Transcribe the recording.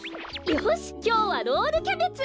よしきょうはロールキャベツ！